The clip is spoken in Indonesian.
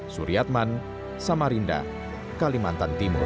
suryatman samarinda kalimantan timur